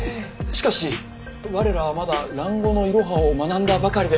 しかし我らはまだ蘭語のイロハを学んだばかりで。